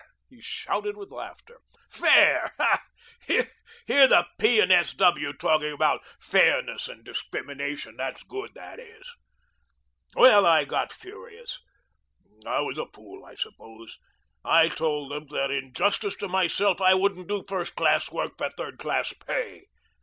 he shouted with laughter. "Fair! Hear the P. and S. W. talking about fairness and discrimination. That's good, that is. Well, I got furious. I was a fool, I suppose. I told them that, in justice to myself, I wouldn't do first class work for third class pay.